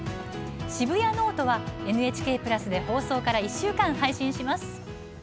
「シブヤノオト」はＮＨＫプラスで放送から１週間配信します。